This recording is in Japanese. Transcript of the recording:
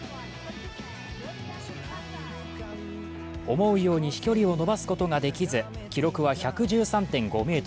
思うように飛距離を伸ばすことができず、記録は１１３．５ｍ。